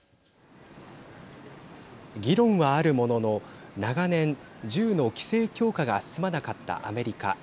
議論はあるものの長年、銃の規制強化が進まなかったアメリカ。